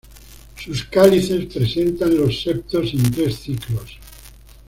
Sus cálices presentan los septos en tres ciclos.